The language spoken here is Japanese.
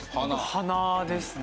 鼻ですね。